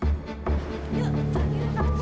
ini bayi dulu students gw